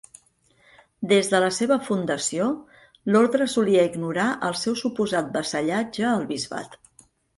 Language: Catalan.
Des de la seva fundació, l'orde solia ignorar el seu suposat vassallatge al bisbat.